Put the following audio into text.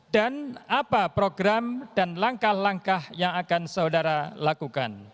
dan apa program dan langkah langkah yang akan saudara lakukan